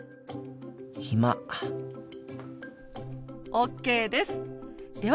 ＯＫです。